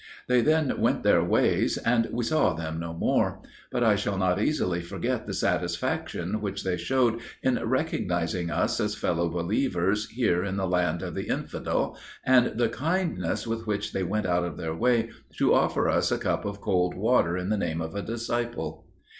'They then went their ways, and we saw them no more;' but I shall not easily forget the satisfaction which they showed in recognizing us as fellow believers here in the land of the infidel, and the kindness with which they went out of their way to offer us a 'cup of cold water in the name of a disciple.'"